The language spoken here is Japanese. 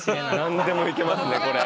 何でもいけますねこれ。